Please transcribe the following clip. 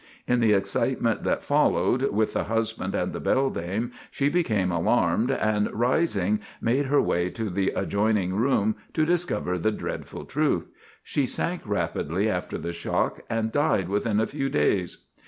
In the excitement that followed with the husband and the beldame she became alarmed and, arising, made her way to the adjoining room to discover the dreadful truth. She sank rapidly after the shock and died within a few days.